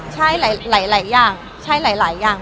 ใช่หลายหลายอย่าง